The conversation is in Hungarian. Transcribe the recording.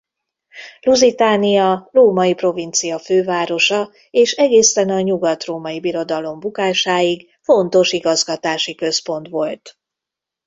Lusitania római provincia fővárosa és egészen a Nyugat-Római Birodalom bukásáig fontos igazgatási központ volt.